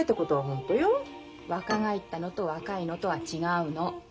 若返ったのと若いのとは違うの。